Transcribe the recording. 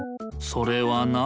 それはな。